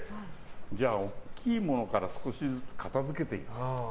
じゃあ、大きいものから少しずつ片づけていこうと。